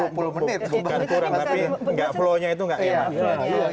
bukan kurang tapi flow nya itu nggak enak